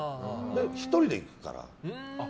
１人で行くから。